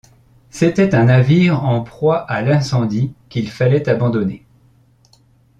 C’était un navire en proie à l’incendie qu’il fallait abandonner.